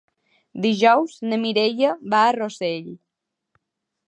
Dijous na Mireia va a Rossell.